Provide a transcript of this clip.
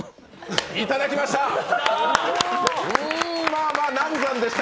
いただきました！